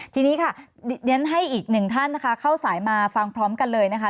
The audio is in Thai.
ทีนี้ค่ะเรียนให้อีกหนึ่งท่านนะคะเข้าสายมาฟังพร้อมกันเลยนะคะ